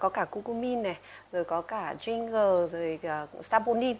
có cả cucumin có cả jinger saponin